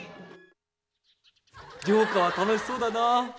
城下は楽しそうだな。